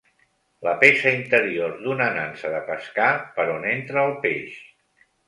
La peça interior d'una nansa de pescar, per on entra el peix.